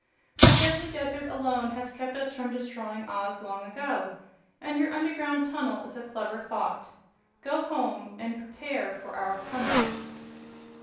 The deadly desert alone has kept us from destroying Oz long ago, and your underground tunnel is a clever thought. Go home, and prepare for our coming!"